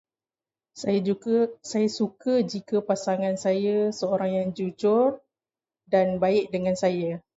Saya juga- saya suka jika pasangan saya seorang yang jujur dan baik dengan saya.